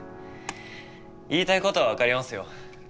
言いたいことは分かりますよ。